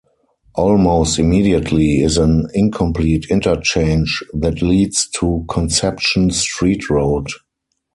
Almost immediately is an incomplete interchange that leads to Conception Street Road.